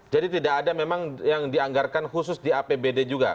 jadi tidak ada memang yang dianggarkan khusus di apbd juga